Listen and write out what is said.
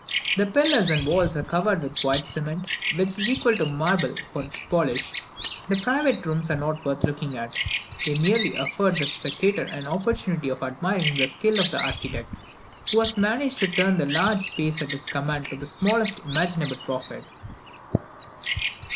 The pillars and walls are covered with a white cement, which is equal to marble for its polish. The private rooms are not worth looking at; they merely afford the spectator an opportunity of admiring the skill of the architect, who has managed to turn the large space at his command to the smallest imaginable profit.